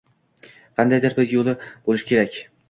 Qandaydir bir yo‘li bo‘lishi kerak